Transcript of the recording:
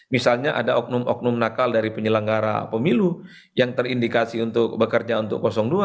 misalnya ada oknum oknum nakal dari penyelenggara pemilu yang terindikasi untuk bekerja untuk dua